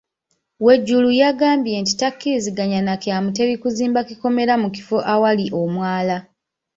Wejuru yagambye nti takkaanya na kya Mutebi kuzimba kikomera mu kifo awali omwala.